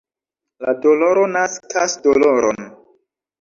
La doloro naskas doloron.